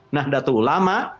nah datang ulama